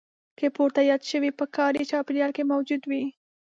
که پورته یاد شوي په کاري چاپېریال کې موجود وي.